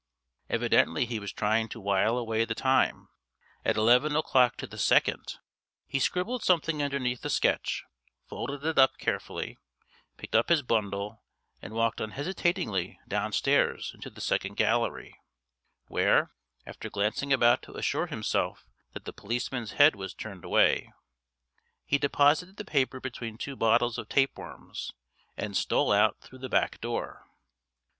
Evidently he was trying to while away the time. At eleven o'clock to the second he scribbled something underneath the sketch, folded it up carefully, picked up his bundle and walked unhesitatingly downstairs into the second gallery, where, after glancing about to assure himself that the policeman's head was turned away, he deposited the paper between two bottles of tape worms, and stole out through the back door.